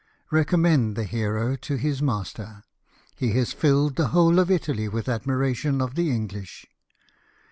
Recommend the hero to his master ; he has filled the whole of Italy with admira tion of the English.